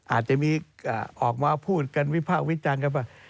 อาจจะมีออกมาพูดกันวิภาควิจัง